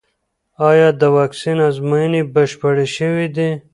ایا د واکسین ازموینې بشپړې شوې دي؟